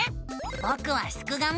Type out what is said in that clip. ぼくはすくがミ。